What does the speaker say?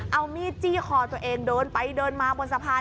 เอามีดจี้คอตัวเองเดินไปเดินมาบนสะพาน